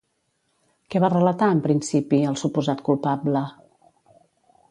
Què va relatar, en principi, el suposat culpable?